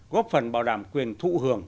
góp phần bảo đảm quyền thụ hưởng